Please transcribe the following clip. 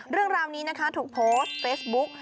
เรื่องราวนี้นะคะถูกโพสต์เฟซบุ๊ก